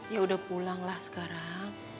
ya udah pulanglah sekarang